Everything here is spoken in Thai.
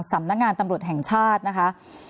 สำนักงานตำรวจแห่งชาตินะคะ